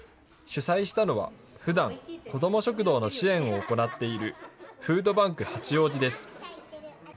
主催したのは、ふだん、こども食堂の支援を行っているフードバンク八王子です。